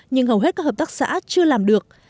nhưng hầu hết các hợp tác xã chưa làm được